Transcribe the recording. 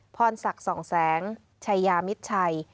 พรศักดิ์ส่องแสงชัยยามิดชัย